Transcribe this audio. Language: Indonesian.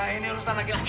ini urusan laki laki